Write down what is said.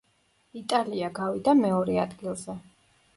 იტალია გავიდა მეორე ადგილზე.